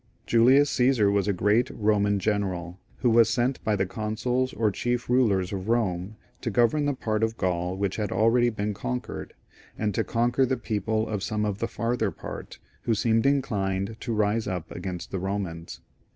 Julius Caesar was a great Roman general, who was sent by the consuls or chief rulers of Rome to govern the part of Gaul which had already been conquered, and to conquer the people of some of the farther part, who seemed inclined to rise up against the Romans.